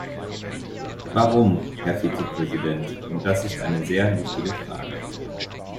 Warum, Herr Vizepräsident, und das ist eine sehr wichtige Frage.